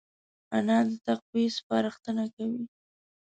انا د تقوی سپارښتنه کوي